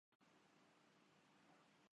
مجھے آپ سے ایک ضروری کام ہے